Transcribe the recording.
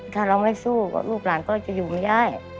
ถ้าเราไม่สู้ลูกหลานก็จะอยู่ไม่ได้